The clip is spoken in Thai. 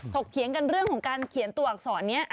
เถียงกันเรื่องของการเขียนตัวอักษรนี้